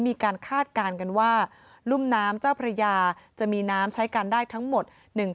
คาดการณ์กันว่ารุ่มน้ำเจ้าพระยาจะมีน้ำใช้กันได้ทั้งหมด